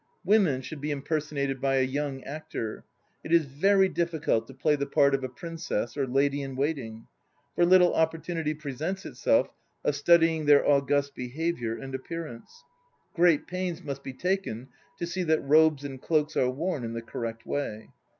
Women should be impersonated by a young actor. ... It is very difficult to play the part of a Princess or lady in waiting, for little opportunity presents itself of studying their august behaviour and appearance. Great pains must be taken to see that robes and cloaks are worn in the correct way.